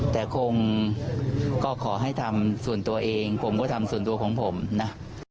แต่คงก็ขอให้ทำส่วนตัวเองผมก็ทำส่วนตัวของผมนะ